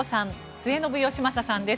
末延吉正さんです